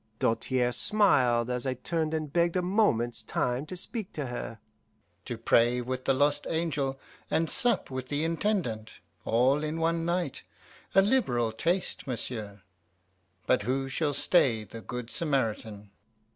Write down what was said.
Doltaire smiled as I turned and begged a moment's time to speak to her. "To pray with the lost angel and sup with the Intendant, all in one night a liberal taste, monsieur; but who shall stay the good Samaritan!"